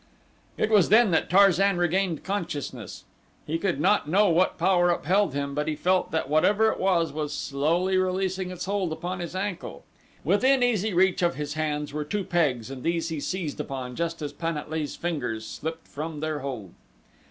It was then that Tarzan regained consciousness. He could not know what power upheld him, but he felt that whatever it was it was slowly releasing its hold upon his ankle. Within easy reach of his hands were two pegs and these he seized upon just as Pan at lee's fingers slipped from their hold.